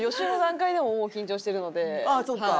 ああそっか。